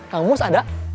kang mus ada